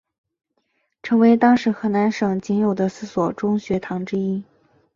成为当时河南省仅有的四所中学堂之一。